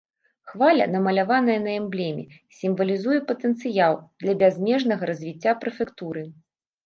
Хваля, намаляваная на эмблеме, сімвалізуе патэнцыял для бязмежнага развіцця прэфектуры.